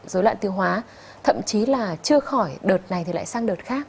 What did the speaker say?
dối loạn tiêu hóa thậm chí là chưa khỏi đợt này thì lại sang đợt khác